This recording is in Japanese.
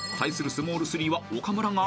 スモール３は岡村が］